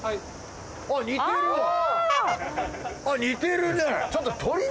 似てるね！